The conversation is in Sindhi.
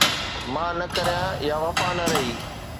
مان نه ڪريان يا وفا نه رهي